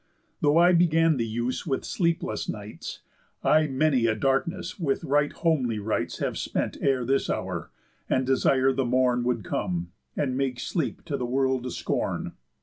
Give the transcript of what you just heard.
Though I began the use with sleepless nights, I many a darkness with right homely rites Have spent ere this hour, and desir'd the morn Would come, and make sleep to the world a scorn.